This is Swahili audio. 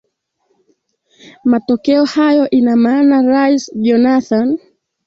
matokeo hayo ina maana rais jonathan